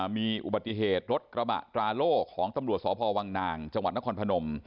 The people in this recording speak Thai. มีอุบัติเหตุรถกระบะตราโล่ของตำรวจสพวังนางจังหวัดนครพนม